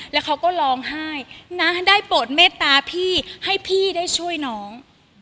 แล้วเขาก็ร้องไห้นะได้โปรดเมตตาพี่ให้พี่ได้ช่วยน้อง